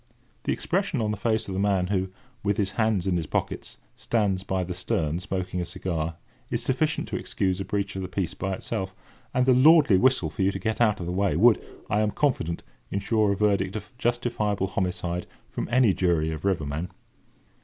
The expression on the face of the man who, with his hands in his pockets, stands by the stern, smoking a cigar, is sufficient to excuse a breach of the peace by itself; and the lordly whistle for you to get out of the way would, I am confident, ensure a verdict of "justifiable homicide" from any jury of river men.